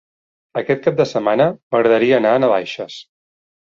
Aquest cap de setmana m'agradaria anar a Navaixes.